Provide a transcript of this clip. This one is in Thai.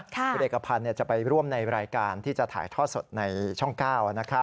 คุณเอกพันธ์จะไปร่วมในรายการที่จะถ่ายทอดสดในช่อง๙นะครับ